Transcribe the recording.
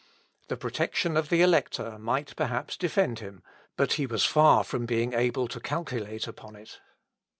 The protection of the Elector might, perhaps, defend him, but he was far from being able to calculate upon it.